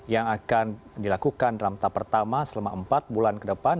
yang akan dilakukan dalam tahap pertama selama empat bulan ke depan